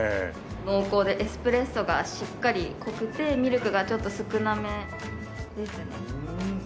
濃厚でエスプレッソがしっかり濃くてミルクがちょっと少なめですね。